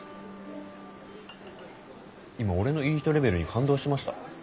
今俺のいい人レベルに感動しました？